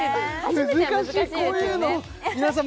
難しいこういうの皆さん